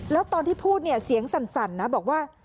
แล้วตอนที่พูดเนี่ยเสียงสั่นนะบอกว่า